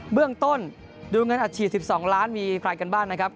เบื้องต้นดูเงินอัดฉีด๑๒ล้านมีใครกันบ้างนะครับ